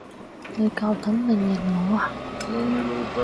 你夠膽命令我啊？